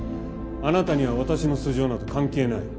あなたには私の素性など関係ない。